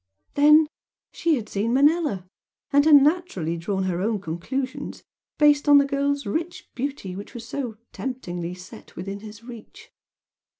Then she had seen Manella, and had naturally drawn her own conclusions, based on the girl's rich beauty which was so temptingly set within his reach.